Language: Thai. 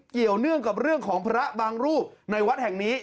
เกี่ยวเรื่องของพระบางรูปในวัดแห่งนี้